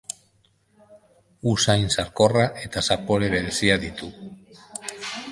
Usain sarkorra eta zapore berezia ditu.